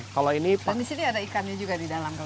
dan disini ada ikannya juga di dalam